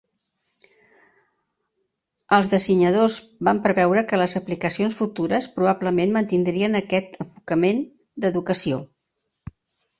Els dissenyadors van preveure que les aplicacions futures probablement mantindrien aquest enfocament de educació.